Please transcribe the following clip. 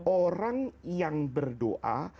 orang yang berdoa